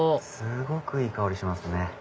すごくいい香りしますね。